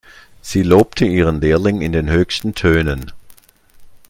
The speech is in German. Sie lobte ihren Lehrling in den höchsten Tönen.